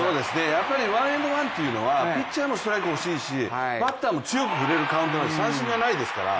やっぱりワンエンドワンというのはピッチャーもストライクが欲しいしバッターも強く振れるカウントなんです、三振がないから。